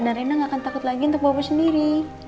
dan rina gak akan takut lagi untuk bapak sendiri